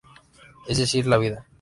Es decir, la vida.